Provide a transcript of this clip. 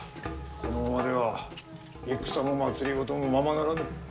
このままでは戦も政もままならぬ。